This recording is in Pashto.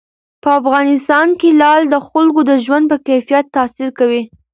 په افغانستان کې لعل د خلکو د ژوند په کیفیت تاثیر کوي.